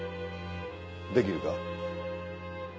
できるか？